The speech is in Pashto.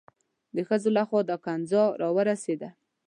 د ښځو لخوا دا ښکنځا را ورسېده.